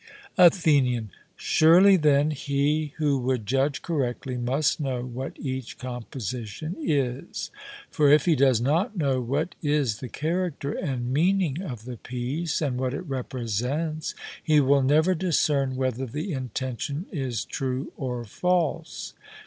ATHENIAN: Surely then he who would judge correctly must know what each composition is; for if he does not know what is the character and meaning of the piece, and what it represents, he will never discern whether the intention is true or false.